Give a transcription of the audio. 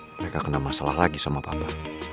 mereka kena masalah lagi sama papa